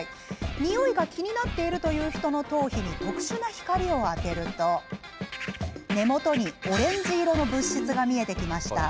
においが気になっているという人の頭皮に特殊な光を当てると根元に、オレンジ色の物質が見えてきました。